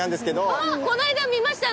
あっこの間見ましたよ